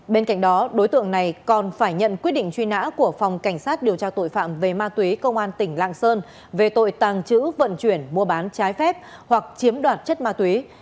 bên cạnh đó đối tượng này còn phải nhận quyết định truy nã của phòng cảnh sát điều tra tội phạm về ma túy công an tỉnh lạng sơn về tội tàng trữ vận chuyển mua bán trái phép hoặc chiếm đoạt chất ma túy